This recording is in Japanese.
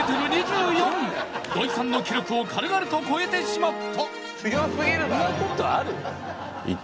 土井さんの記録を軽々と超えてしまった。